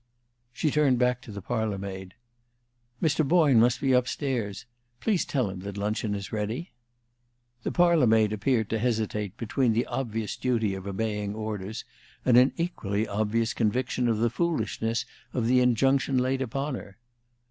She turned back to the parlor maid. "Mr. Boyne must be up stairs. Please tell him that luncheon is ready." The parlor maid appeared to hesitate between the obvious duty of obeying orders and an equally obvious conviction of the foolishness of the injunction laid upon her.